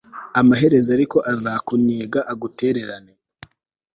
amaherezo ariko azakunnyega, agutererane